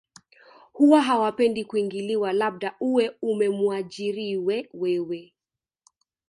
huwa hawapendi kuingiliwa labda uwe umemuajiriwe wewe